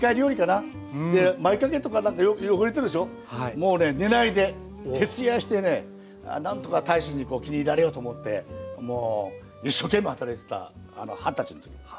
もうね寝ないで徹夜してね何とか大使に気に入られようと思ってもう一生懸命働いてた二十歳の時です。